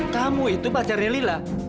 kamu itu pacarnya lila